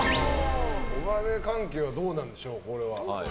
お金関係はどうなんでしょう。